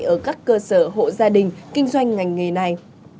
ở các cơ sở hộ gia đình kinh doanh ngành nghề này